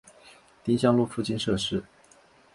丁香路附近设施